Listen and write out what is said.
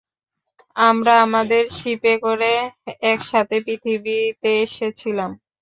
আমরা আমাদের শিপে করে একসাথে পৃথিবীতে এসেছিলাম।